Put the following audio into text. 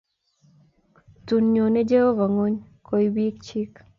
Tun nyonei Jehovah ngony koib biik chiik